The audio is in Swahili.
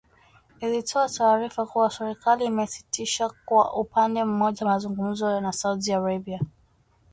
ilitoa taarifa kuwa serikali imesitisha kwa upande mmoja mazungumzo na Saudi Arabia